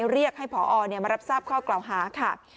เรียกให้ผอมารับทราบข้อกล่าวหาค่ะ